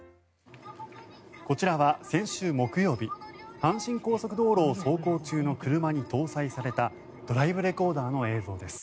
こちらは先週木曜日阪神高速道路を走行中の車に搭載されたドライブレコーダーの映像です。